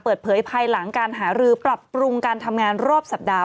เปิดเผยภายหลังการหารือปรับปรุงการทำงานรอบสัปดาห